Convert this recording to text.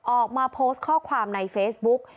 ออกมาโพสต์ข้อความในเฟซบุ๊ก